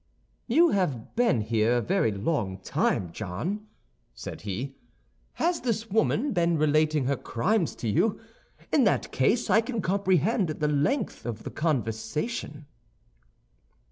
"You have been here a very long time, John," said he. "Has this woman been relating her crimes to you? In that case I can comprehend the length of the conversation."